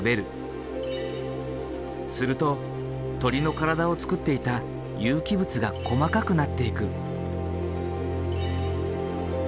すると鳥の体をつくっていた有機物が細かくなっていく。